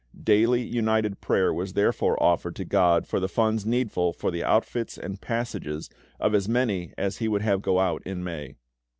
Daily united prayer was therefore offered to GOD for the funds needful for the outfits and passages of as many as He would have to go out in May.